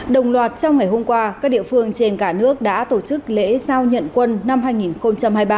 đồng loạt trong ngày hôm qua các địa phương trên cả nước đã tổ chức lễ giao nhận quân năm hai nghìn hai mươi ba